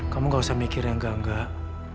kamu gak usah mikir yang enggak enggak